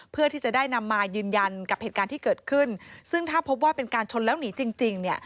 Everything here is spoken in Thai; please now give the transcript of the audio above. เพื่อที่จะได้นำมายืนยันกับเหตุการณ์ที่เกิดขึ้นซึ่งถ้าพบว่าเป็นการชนแล้วหนีจริงเนี่ย